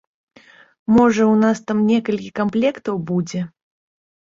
Можа, у нас там некалькі камплектаў будзе?